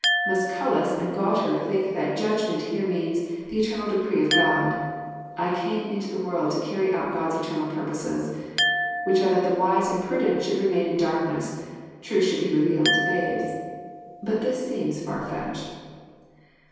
Mnsculus and Gualter, think that judgment" here means, the eternal decree of God. I came into the world to carry out 6od*s eternal purposes, which are that the wise and prudent should remain in darkness, truth should be revealed to babes;" but this seems far fetched.